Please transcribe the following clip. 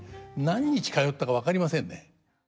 何日通ったか分かりませんね。